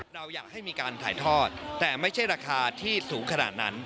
เราอยากให้มีการถ่ายทอดแต่ไม่ใช่ราคาที่สูงขนาดนั้น